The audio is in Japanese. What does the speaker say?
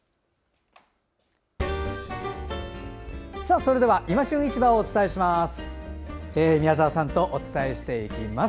それでは「いま旬市場」をお伝えします。